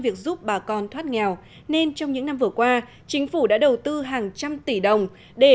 việc giúp bà con thoát nghèo nên trong những năm vừa qua chính phủ đã đầu tư hàng trăm tỷ đồng để